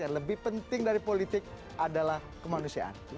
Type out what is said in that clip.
yang lebih penting dari politik adalah kemanusiaan